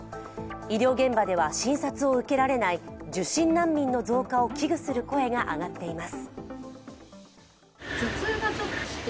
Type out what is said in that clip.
医療現場では診察を受けられない受診難民の増加を危惧する声が上がっています。